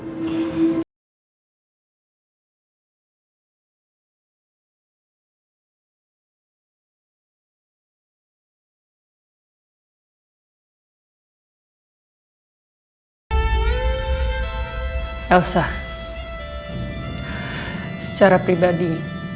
saya sudah mengikhlaskan roy